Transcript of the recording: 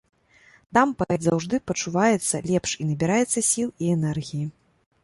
Там паэт заўжды пачуваецца лепш і набіраецца сіл і энергіі.